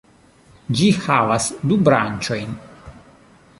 Ĝi havas du branĉojn.